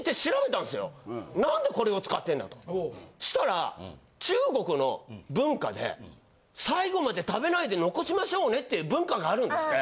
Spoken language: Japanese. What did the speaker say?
したら中国の文化で最後まで食べないで残しましょうねっていう文化があるんですって。